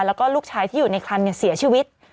แล้วก็ลูกชายที่อยู่ในคันเสียชีวิต